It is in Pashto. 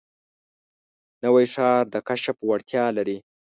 نوی ښار د کشف وړتیا لري